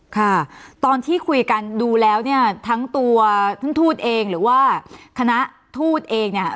ค่ะตอนที่คุยกันดูแล้วเนี่ยทั้งตัวท่านทูตเองหรือว่าคณะทูตเองเนี่ย